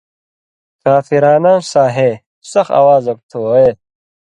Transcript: ”کافرانہ سا ہے ۔۔۔۔۔۔۔سخ اواز اوک تُھو ویے“